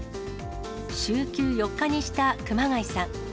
週休４日にした熊谷さん。